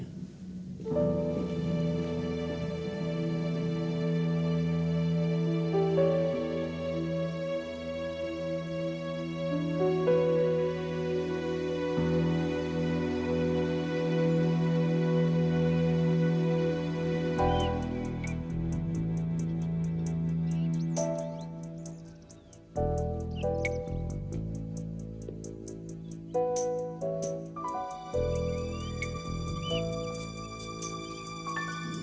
rasa berani sekarang